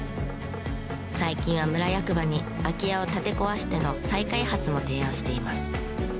最近は村役場に空き家を建て壊しての再開発も提案しています。